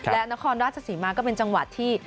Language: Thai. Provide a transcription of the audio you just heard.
และนครราชศรีมาก็เป็นจังหวัดที่